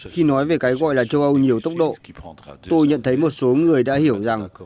khi nói về cái gọi là châu âu nhiều tốc độ tôi nhận thấy một số người đã hiểu rằng